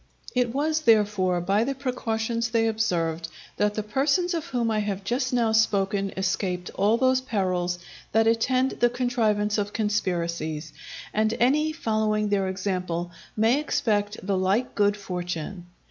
It was, therefore, by the precautions they observed, that the persons of whom I have just now spoken escaped all those perils that attend the contrivance of conspiracies; and any following their example may expect the like good fortune.